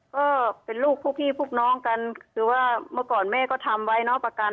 ก็เป็นลูกพวกพี่พวกน้องกันคือว่าเมื่อก่อนแม่ก็ทำไว้เนาะประกัน